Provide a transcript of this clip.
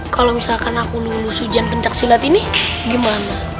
kalau misalkan aku lulus ujian pencaksilat ini gimana